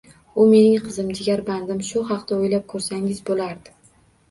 U mening qizim, jigarbandim, shu haqda o`ylab ko`rsangiz bo`lardi